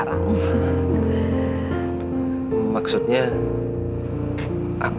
erang bu aa